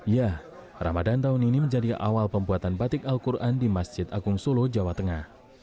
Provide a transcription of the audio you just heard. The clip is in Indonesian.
ya ramadan tahun ini menjadi awal pembuatan batik al quran di masjid agung solo jawa tengah